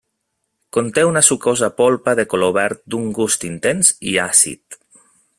Conté una sucosa polpa de color verd d'un gust intens i àcid.